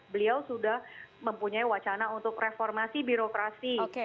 beliau sudah mempunyai wacana untuk reformasi birokrasi